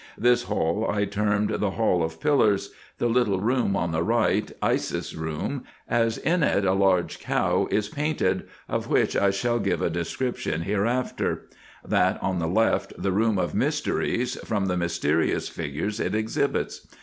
This hall I termed the Hall of Pillars ; the little room on the right, Isis' Room, as in it a large cow is painted, of which I shall give a description here after ; that on the left, the Room of Mysteries, from the mysterious figures it exhibits.